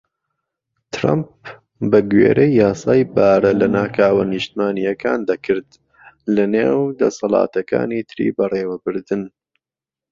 ترەمپ بە گوێرەی یاسای بارە لەناکاوە نیشتیمانیەکان دەکرد، لە نێو دەسەڵاتەکانی تری بەڕێوەبردن.